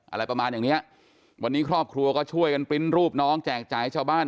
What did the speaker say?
อะไรประมาณอย่างเนี้ยวันนี้ครอบครัวก็ช่วยกันปริ้นต์รูปน้องแจกจ่ายให้ชาวบ้าน